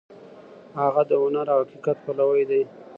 هغه د هنر او حقیقت پلوی دی.